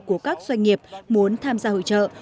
của các doanh nghiệp muốn tham gia hội trợ